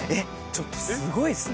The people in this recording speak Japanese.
ちょっとすごいですね。